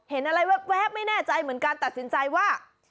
เห็นอะไรแว๊บไม่แน่ใจเหมือนกันตัดสินใจว่า